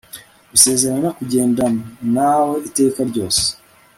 gusezerana kugendan nawe iteka ryose